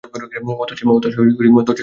অতসী দরজা ছেড়ে সরে দাঁড়াল।